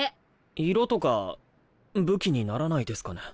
色とか武器にならないですかね？